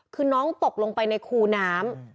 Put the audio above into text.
คือน้องตกลงไปในคูน้ำ